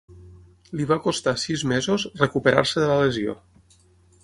Li va costar sis mesos recuperar-se de la lesió.